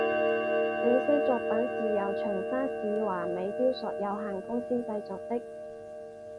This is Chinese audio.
这些作品是由长沙市华美雕塑有限公司制作的。